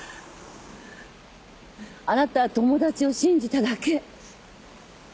あなたは友達を信じただけ。